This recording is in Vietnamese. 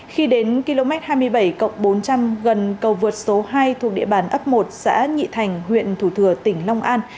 khi đến km hai mươi bảy bốn trăm linh gần cầu vượt số hai thuộc địa bàn ấp một xã nhị thành huyện thủ thừa tỉnh long an